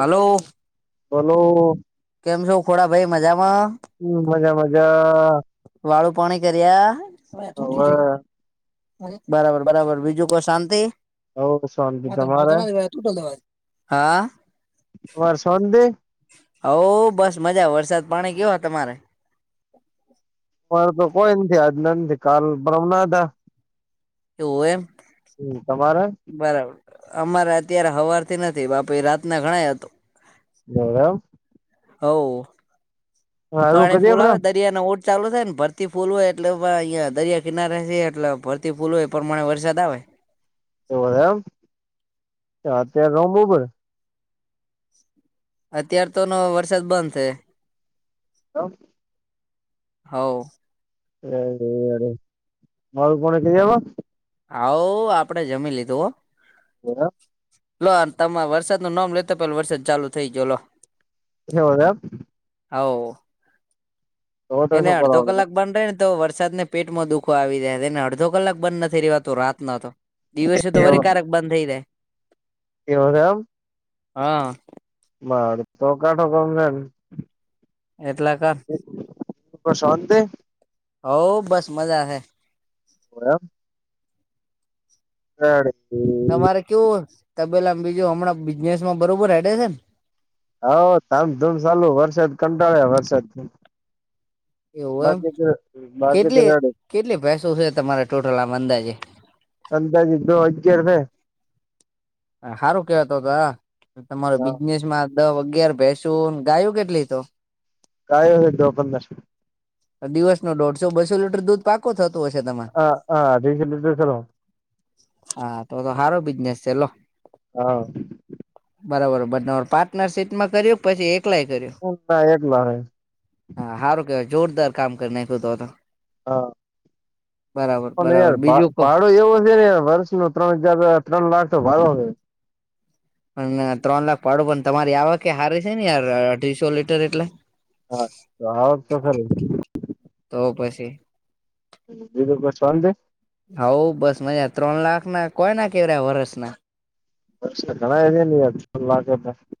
હાલો બોલો કેમ છો ખોડાભાઈ મજામાં? હમ્મ, મજા મજા. વાળું પાણી કર્યા? હવે બરાબર બરાબર બીજું કો શાંતિ. હવ શાંતિ તમારે હા. તમાર શોતી? હવ બસ મજા, વરસાદ પાણી કેવા તમારે? પણ તો કોઈ નથી, આજના નથી કાલ પરમ ના હતા. એવું એમ, તમારે બરાબર અમારે અત્યારે હવારથી નથી બાપી રાતના ઘણાય હતો. લે એમ હો, હારું પાણી કરીએ ફૂલ આપડે આવે તઇ રિયા ના ઓડ ચાલુ થાય ન ભરતી ફૂલ હોય એટલે ભાઇ અહયા દરિયા કિનારે છે એટલે ભર થી ફૂલ હોય પરમાણે વરસાદ આવે. એવુ એમ, એ અત્યારે તો બઉ બધા અત્યાર તો નો વરસાદ બંધ છે. લો હોવ [unintelligible] ઓલ પોની કઈ આવ્યો? હોવ, આપડે જમી લીધું હો. [inaudible] લો તમામે વરસાદનું નોમ લે તો, પેલા વરસાદ ચાલુ થઈ ગો લો, એવું એમ હોવ, તો તો એને શું અડધો કરવાનું કલાક બંધ રેને તો વરસાદ ને પેટમાં દુખો આવી જાય એને અડધો કલાક બંધ નથી રેવાતું રાત ના તો દિવસે તો વરી કારેક બંધ થઈ જાય. [unintelligible] હા [unintelligible] એટલે કા શોંતી હો બસ મજા હૈ એમ [unintelligible] તમારે કેવું તબેલા બીજું હમણાં બિઝનેસ માં બરોબર હેડે છે ને હ ધામધૂમ ચાલું વરસાદ કંટાળ્યા વરસાદ એવું એમ બાકી તો બાકી તો કેટલી રેડી કેટલી ભેંસો છે તમારે ટોટલ આમ અંદાજે અંદાજે તો અગિયાર હે. હારું કેવાય તો તો તમારો બિઝનેસ માં દહ અગિયાર ભેંસુ ગાયું કેટલી તો ગાયો દહ પંદર દિવસનો દોઢસો બસો લીટર દૂધ પાકો થતું હશે તમને હા હા અઢીસો લીટર ખરો હા તો તો હારો બિઝનેસ છે લો હા બરાબર પાર્ટનરશીપમાં કર્યું પછી એકલાય કર્યું [unintelligible] એકલા હે હા હારું કેવાય જોરદાર કામ કરી નાંયખું તો તો હા બરાબર બરાબર બીજું [unintelligible] કો પાાડો એવો શે ને વર્ષનો ત્રણ ચાર ત્રણ લાખ તો ભાડો સે. અન ત્રણ લાખ ભાડો પણ તમારી આવાકે હારે છે ને યાર અઢીસો લીટર એટલે હા તો આવક તો [unintelligible] તો પછી બીજું કો શાંતિ હઉ બસ મજા ત્રણ લાખ ના કોઈના [unintelligible] વરસના [unintelligible]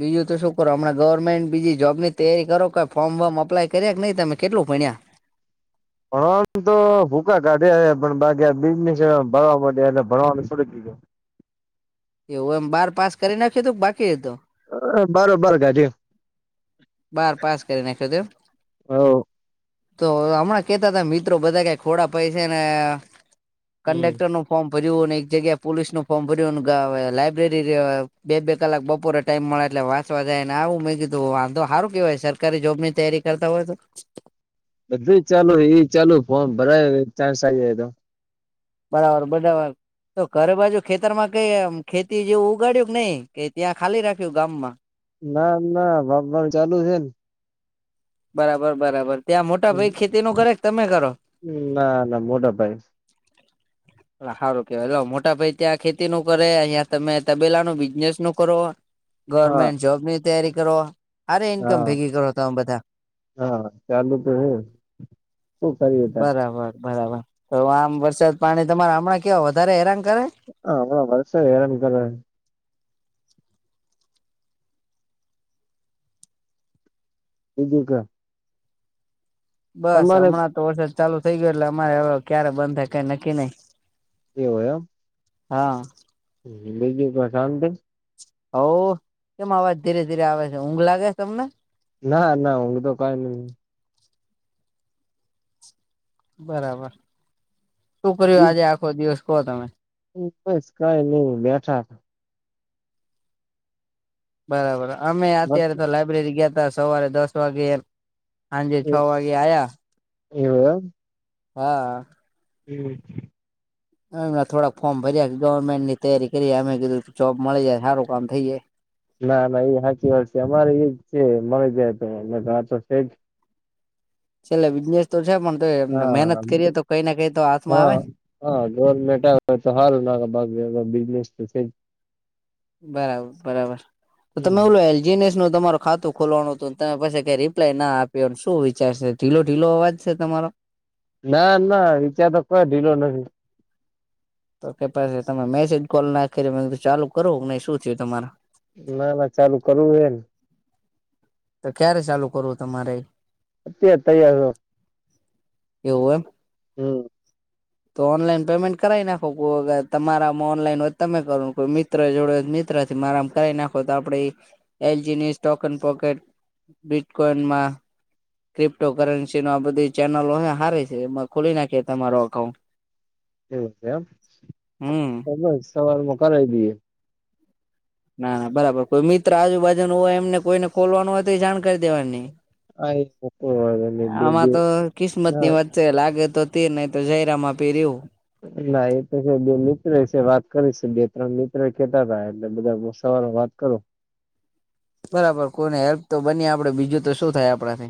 બીજું તો શું કરો હમણા ગવર્મેન્ટ બીજી જોબ ની તૈયારી કરો કઈ ફોર્મ વોર્મ અપ્લાય કરયા કે નહી તમે કેટલું ભણ્યા ભણવાનું તો ભૂકા કાઢ્યા હે પણ બાકી આ [unintelligible] ભણવાનું [unintelligible] એવું એમ બાર પાસ કરી નાખ્યું તું બાકી હતું બારો બાર [unintelligible] બાર પાસ કરી નાખ્યું તું એમ હવ તો હમણાં કેતા હતા મિત્રો બધા કે ખોડા પૈસે ને હમ કંડેક્ટરનું ફોર્મ ભર્યું અને એક જગ્યા પોલીસ નું ફોર્મ ભર્યું લાયબ્રેરી બે બે કલાક બપોરે ટાઈમ મળે એટલે વાચવા જાય ને આવું મેં કીધુંં આતો હારું કેવાય સરકારી જોબ ની તૈારી કરતા હોય તો બધુંય ચાલુ એ ચાલુ ફોમ ભરાય ચાન્સ [unintelligible] બરાબર બરાબર તો ઘર બાજુ ખેતર માં કઈ ખેતી જેવું ઉગાડ્યું કે નહી કે ત્યાં ખાલી રાખ્યું ગામ માં ના ના [unintelligible] ચાલુ છે ન બરાબર બરાબર ત્યાં મોટા ને ભાઈ ખેતી નું કરે તમે કરો ના ના મોટા ભાઈ હારું કેવાય લો મોટા ભાઈ ત્યાં ખેતી નું કરે અયાં તમે તબેલા નું બિઝનેસ નું કરો હા ગવર્મેન્ટ જોબ ની તૈયારી કરો હારી ઇન્કમ હા ભેગી કરો તમેં બધા હા ચાલુ તો હે શું કરીએ ત બરાબર બરાબર તો આમ વરસાદ પાણી તમારા હમણાં કેવા વધારે હેરાન કરે હ હમણા વર્ષ હેરાન કરે. બીજું કે બસ, તમારે હમણાં તો વરસાદ ચાલુ થઈ ગયો એટલે અમારે હવે, ક્યારે બંધ થાય કઈ નક્કી નઈ. એવુ એમ હા. બીજું કો શાંતિ હો, કેમ અવાજ ધીરે ધીરે આવે છે. ઊંઘ લાગે તમને ના નાઊંઘે તો કાઈ નઈ બરાબર. શું કર્યું? આજે બીજું આખો દિવસ કો તમે [unintelligible] કઈ નઈ બેઠા. બરાબર અમે અત્યારે તો લાયબ્રેરી ગયાતા સવારે દસ વાગે હાંજે છ વાગે આયા. એવું એમ. હા. હમ્મ થોડાક ફોર્મ ભર્યા, ગવર્મેન્ટની તૈયારી કરીએ મે કીધું જોબ મળી જાય હારું કામ થઈ જાય. ના ના એ હાચી વાત છે. અમારે એ જ છે મળી જાય તો ન તો આતો છે જ. છેલ્લે બિઝનેસ તો છે પણ તોયે હા મહેનત કરીએ તો કઈ ને કઈ તો હાથમાં હા આવે. હા, ગવર્મેન્ટ આવે તો હારુ, [unintelligible] બિઝનેસ તો છે. બરાબર બરાબર. તો હમ તમે ઓલું એલ જીનેસનું તમારું ખાતું ખોલવાનું હતું. તમે પસી કઈ રિપ્લાયના આપ્યો, શું વિચારશે? ઢીલો ઢીલો અવાજ છે તમારો ના ના વિચાર તો કોઈ ઢીલો નથી. તો કે પછી તમે મેસેજ કોલ ના કર્યો ચાલુ કરવું ન શું થયું તમાર ના ના, ચાલુ કરવું હેન તો ક્યારે ચાલુ કરવું તમારે? અત્યારે તૈયાર રહો. એવું એમ. હમ્મ તો ઓનલાઈન પેમેન્ટ કરાવી નાખો. કોઈ અગર તમારામાં ઓનલાઈન હોય તો તમે કરો કોઈ મિત્ર જોડે હોય તો મિત્રથી મારા માં કરાય નાખો તો આપણે એલજીની સોકન પોકેટ બિટકોઈનમાં ક્રિપ્ટો કરન્સી નું આ બધી ચેનલો હારે છે, એમાં ખોલી નાખીએ તમારો અકાઉન્ટ. એવું છે એમ હમ તો બસ સવારમાં કરાવી દઈએ. ના ના બરાબર. કોઈ મિત્ર આજુબાજુનું હોય એમને કોઈને ખોલવાનું હોય તો જાણ કરી દેવાની. હા બે આમાં બે તો ના કિસ્મતની વાત સે લાગે તો તીર નહી તો જય રામાં પીર એવું ના એ તો છે બે મિત્ર છે વાત કરીશે બે ત્રણ મિત્ર કેહતા હતા એટલે બધા સવારે વાત કરું બરાબર. કોને હેલ્પ તો બનીએ આપડે બીજું તો શું થાય આપણાને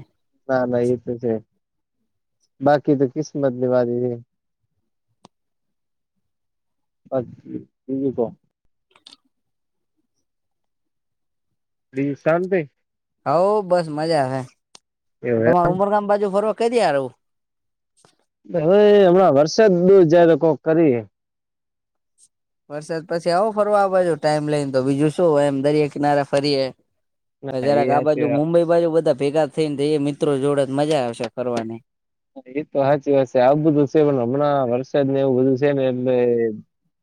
ના ના એ તો છે. બાકી તો કિસ્મતની વાત કીધી. અચછ ક [unintelligible] લલીફ સન તે. હઉ બસ મજા આવે, તો હવે તમારે ઉમરગામ બાજુ ફરવા ક દયાર આવું. હવે, હમણા વરસાદ બઉ જ તો કોક કરી. વરસાદ પછી આવો ફરવા આ બાજુ ટાઈમ લઈને, તો બીજું શું? એમ દરિયા કિનારે ફરીએ. ના જરાક આ બાજુ એ મુંબઈ બાજુ બધા ભેગા થઈને, તો મિત્રો જોડે જ મજા આવશે ફરવાની. એ તો સાચી વાત છે, આવુ બધું છે, પણ હમણાં વરસાદને એવું બધું છે ને, એટલે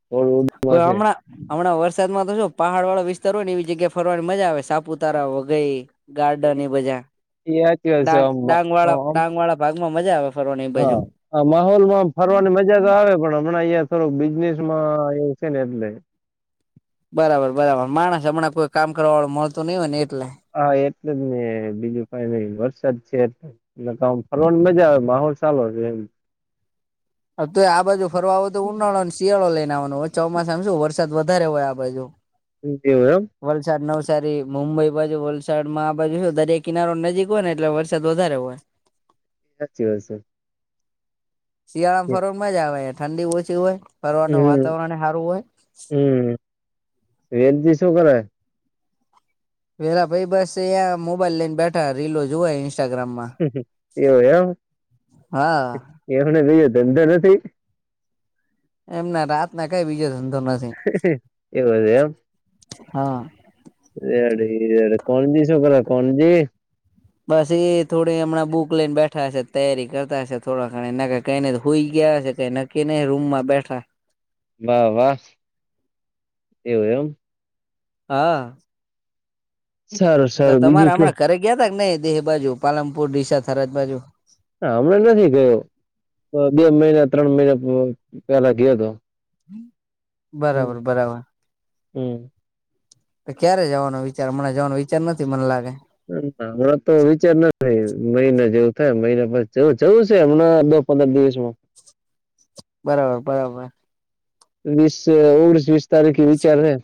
થોડું છે કો એ હમણાં, હમણાં વરસાદમાં તો શો પહાડ વાળા વિસ્તાર હો ને, એવી જગ્યા ફરવાની મજા આવે, સાપુતારા, વઘઈ. ગાર્ડોની બાજુ સાચી વાત છે આમ ડાંગ-ડાંગ વાળા, આમ ડાંગ વાળા ભાગ માં મજા આવે. ફરવાની એ બાજુ હા, આ માહોલમાં ફરવાની મજા મજા તો આવે, પણ હમણાં અહં થોડું બિઝનેસ માં એવું છે, ને એટલે. બરાબર, બરાબર માણસ હમણાં કોઈ કામ કરવા વાળું મળતું નહી હોય ને એટલે. હા, એટલ જ ન બીજું કઈ નહી વરસાદ છે એટલે. એ તોમ ફરવાની મજા આવે, માહોલ ચાલો છે એમ. હ, તો આ બાજુ ફરવા આવો તો, ઉનાળો અને શિયાળો લઈને આવવાનો, ચોમાસામાં શું વરસાદ વધારે હોય આ બાજુ. જ મેડમ. વલસાડ, નવસારી, મુંબઈ બાજુ, વલસાડ માં આ બાજુ શું દરિયા કિનારો નજીક હોય ને, એટલે વરસાદ વધારે હોય. સાચી વાત છે. શિયાળામાં ફરવા મજા આવે, ઠંડી ઓછી હોય, ફરવાનું હમ વાતાવરણ સારું હોય. હમ, વેનથી શું કરે? વેલા ભાઈ બસ અયા મોબાઈલ લઈને બેઠા, રીલો જોવા ઇન્સ્ટાગ્રામ માં. એવ, હા એમ એમને બયો ધંધો નથી. એમના રાત ના કઈ બીજો ધંધો નથી. એવું છે એમ. હા. રેડ-રેડ કોણજી શું કર? કોણજી. બસ એ થોડી હમણાં બુક લઈને બેઠા હશે, તૈયારી કરતા હશે, થોડા ઘ એ નગ કઈને હોઈ ગયા હ છે, કઈ નક્કી નહીં રૂમ માં બેઠા વાહ, વાહ એવું એમ. હા. સારું સારું તમારે બીજું કયો હમણાં ઘરે ગયા કે નઈ? દેહ બાજુ પાલમપુર ડીશા થરાજ બાજુ. હ હમણાં નથી ગયો, બે મહિના, ત્રણ મહિના પેલા ગયો હતો. હમ બરાબર, બરાબર. હમ. ક્યારે જવાનો વિચાર મણા જવાનો વિચાર નથી, મને લાગે. હમણાં તો વિચાર ના થાય, મહિના જેવું થાય, મહિના પછી જવું છે, હમણાં પંદર દિવસમાં. બરાબર, બરાબર. વીસ-ઓગણીસ, વીસ તારીખ વિચાર હે.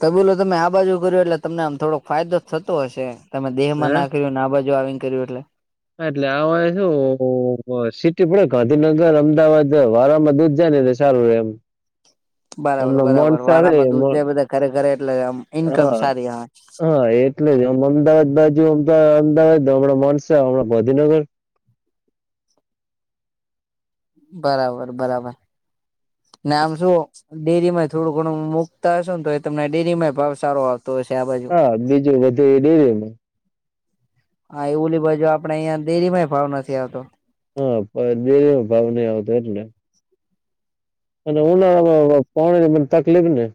તબીલો, તમે આ બાજુ કર્યો, એટલે તમને આમ થોડોક ફાયદો જ થતો હશે, તમે દેહમાં નાખ્યું. ના બાજુ આવીને કર્યું એટલે. હા, એટલે આ શું સિટી પડે, ગાંધીનગર-અમદાવાદ વારમાં દૂધ જાય ને રશે. ચાલું એમ. બરાબર, હમણાં બરાબર, મોનસા રે વારામાં દૂધ જાય, બધા ખરેખરે એટલે ઈન્કમ હા સારી હ. હા, એટલે જ આમ અમદાવાદ બાજુમાં, અમદાવાદ હમણાં માનસા હમણાં ગંધીનગર. બરાબર, બરાબર. ને આમ શું ડેરી માંય થોડું ઘણું મુકતા હશે ને, તો એ તમને ડેરી માંય ભાવ સારો આવ તો. હા, બીજું બધું એ દે. હા, એવલી બાજુ આપડે અહિયાં ડેરી માંય ભાવ નથી આવતો. હા, બે ભાવ નઈ આવતો એટલે. અને ઉનાળામાં પાણી ની મને તકલીફ ને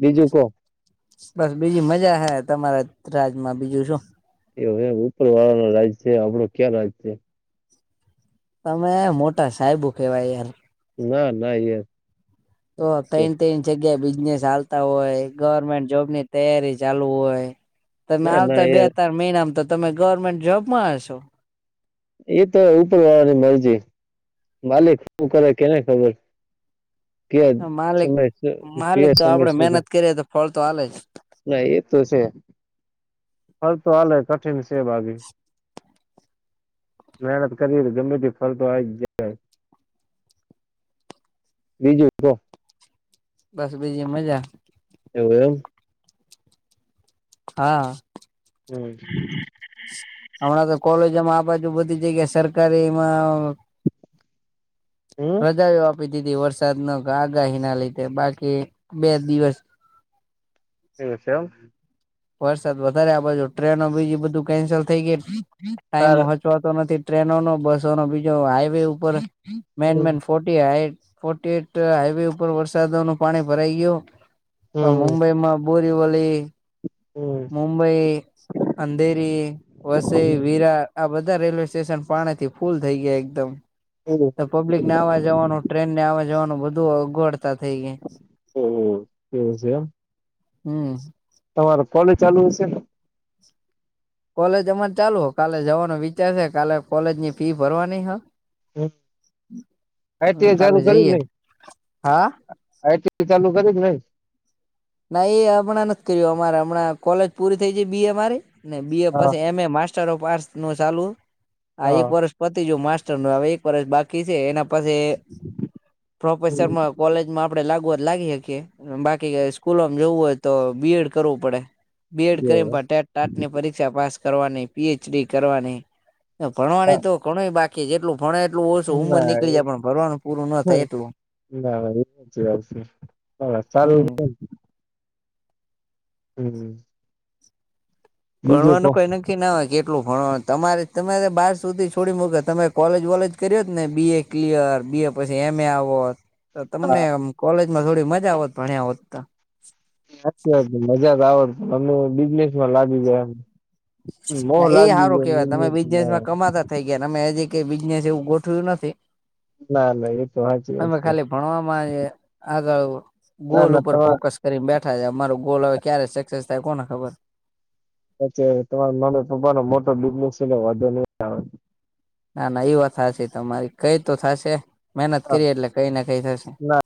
બીજું કો. બસ, બીજી મજા હ, તમારા રાજમાં બીજું શું? એવ હવે ઉપર વાળા નુ રાજ છે, આપણો ક્યાં રાજ છે. તમે મોટા સાહેબુ કેવાય યાર. ના, ના. તો થન તન જગ્યાએ બિઝનેસ ચાલતા હોય, ગવર્મેન્ટ જોબ ની તૈયારી ચાલુ હોય. તમે ના ના આવતાય બે યાર તણ મહિનામાં તો, તમે ગવર્મેન્ટ જોબમાં હશો. એ તો ઉપર વાળાની મરજી. માલિક હું કરે કેને ખબર? ક્યા માલિક સમયસર? માલિક કયા તો સમય આપડે સુધ મહેનત કરીએ તો ફળ તો હાલે જ ના, એ તો છે, ફલ તો હાલે કઠિન સે બાકી. મહેનત કરીયે તો, ગમે તી ફલ તો આવી જાય. બીજું કો? બસ, બીજી મજા. એવું એમ. હા. હમ. હમણાં તો કોલેજોમાં આ બાજુ બધી જગ્યા સરકારીમાં હમ રજા જ આપી દીધી, વરસાદ ન આગાહી ના લીધે, બાકી બે દિવસ એવું છે એમ. વરસાદ વધારે આ બાજુ ટ્રેનો, બીજી બધું કેન્સલ થઈ ગઈ, એટલે ટાઈમ તાર નથી, ટ્રેનો નો બસો નો, બીજો હાઈવે ઉપર હમ મેન-મેન ફોટી હાઈ, ફોર્ટી-એટ હાઈવે ઉપર વરસાદો નું પાણી ભરાઈ ગયું. હવે, હમ મુંબઈમાં બોરીવલી હમ. મુંબઈ, અંધેરી. વસઈ, વિરાર આ બધા રેલવે સ્ટેશન પાણીથી ફૂલ થઈ ગયા એકદમ. હમ તો પબ્લિક ને આવા-જવાનું, ટ્રેન ને આવવા-જવાનું, બધું અગવડ. તા થઈ ગઇ, ઓહ એવું છે એમ હમ. તમારે કોલેજ ચાલુ હશે ને? કોલેજ અમારે ચાલુ, કાલે જવાનો વિચાર છે, કાલે કોલેજ ની ફી ભરવાની હ. હમ, આઇ. હ ટી. આઈ કાલે ચાલુ, કર્યુંક જઈએ નઇ હા આઇ. ટી ચાલુ કરી જ નહી. ના, એ હમણાં નથી કર્યું, અમારે હમણાં કોલેજ પૂરી થઈ જ બી. એ મારી ને, બી એ હા પછી એમ એ માસ ચલો, નું ચાલુ આ એક હા વર્ષ પતી જયુ, માસ્ટરનું હવે એક વર્ષ બાકી છે એના. પછે પ્રોફેસરમાં કોલેજમાં આપડે લાગુ હોય તો, લાગી હકીએ બાકી સ્કૂલમ જવું હોય તો બીએડ કરવું પડે, બીએડ એવું કરીને ટાટ આઠની પરી શિક્ષા પાસ કરવાની, પી એચ ડી કરવાની ભણવાની તો ઘણુંય બાકી જેટલું ભણે એટલું ઓછું એમ ઉંમર ના નીકળી જાય, પણ ભણવાનું પૂરું ના થાય એટલું. બરાબર એ સાચી વાત સે, હમ હમ. બીજું કો ભણવાનું કહીને ક કે ના હોય કેટલું ભણવાનું તમારે તમારે બાર સુધી છોડી મુકે તમે કોલેજ વોલેજ કર્યોત ને બી એ ક્લિયર બી એ પછી એમ એ આવોત. તો તમને હા કોલેજમાં થોડી મજા આવત ભણ્યા હોત તો. સાચી વાત મજા તો આવત, અમે બિઝનેસ માં લાગી ગયા. મોહ ના એ લાગી સારું ગયા કેવાય તમે બિઝનેસ બિઝનેસમાં માં. કમાતા થઈ ગયાને અમે જે કઈ બિઝનેસ એવું ગોઠ્યું નથી. ના ના એ તો હાંચી વાત છે. ભણવામાંએ આગળ ના ગોલ ના ઉપર તમારે ફોકસ કરીને બેઠા છે મારો ગોલ હવે ક્યારે સક્સેસ થાય કોને ખબર. પછે તમારા પપ્પાનો મોટો બિઝનેસ છે ને વાંધો નઇ હ. ના ના એ વાત હાચી તમારી કઈ તો થશે, મહેનત કરીયે એટલે કઈ ના કઈ થશે.